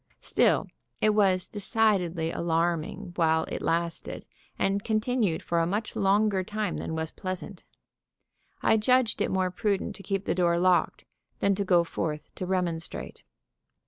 Still it was decidedly alarming while it lasted, and continued for a much longer time than was pleasant. I judged it more prudent to keep the door locked than to go forth to remonstrate.